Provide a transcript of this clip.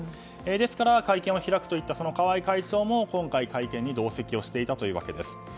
ですから、会見を開くといった川合会長も今回、会見に同席していたわけです。